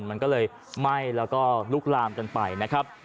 มันก็เลยไหม้แล้วก็ลุกลามกันไปนะครับ